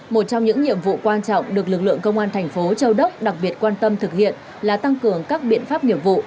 một trong những nhiệm vụ quan trọng được lực lượng công an thành phố châu đốc đặc biệt quan tâm thực hiện là tăng cường các biện pháp nghiệp vụ